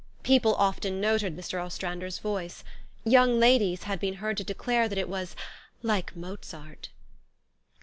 People often noted Mr. Ostrander's voice. Young ladies had been heard to declare that it was "like Mozart."